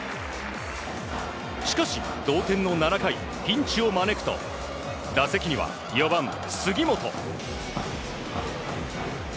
しかし、同点の７回ピンチを招くと打席には４番、杉本。